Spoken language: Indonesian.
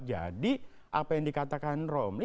jadi apa yang dikatakan romli